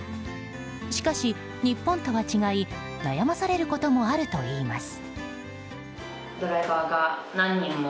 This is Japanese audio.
しかし、日本とは違い悩まされることもあるといいます。